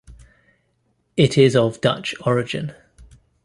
It is of Dutch origin.